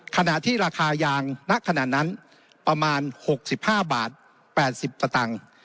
ขณะที่ราคายางณขณะนั้นประมาณ๖๕บาท๘๐สตางค์